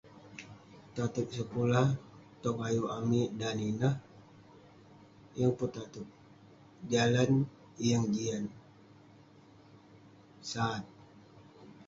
Tateg sekulah tong ayuk amik, dan ineh, yeng pun tateg. Jalan yeng jian, sat.